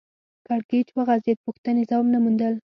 کړکېچ وغځېد پوښتنې ځواب نه موندل